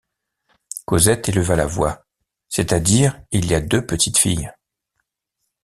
Cosette éleva la voix: — C’est-à-dire il y a deux petites filles.